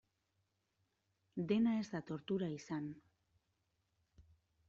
Dena ez da tortura izan.